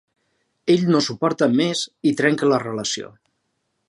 Ell no ho suporta més i trenca la relació.